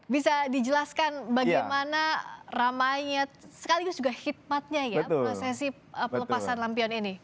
bisa dijelaskan bagaimana ramainya sekaligus juga hikmatnya ya prosesi pelepasan lampion ini